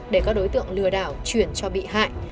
để các đối tượng lừa đảo chuyển cho bị hại